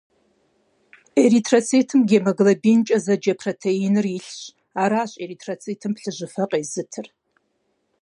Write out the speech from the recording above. Эритроцитым гемоглобинкӏэ зэджэ протеиныр илъщ — аращ эритроцитым плъыжьыфэ къезытыр.